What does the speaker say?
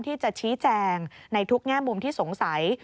ที่จะชี้แจงในทุกแง่มุมที่สงสัย